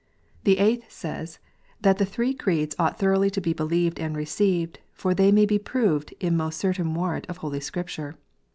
The Eighth says, that the "Three Creeds ought thoroughly to be believed and received, for they may be proved by most certain warrant of Holy Scripture."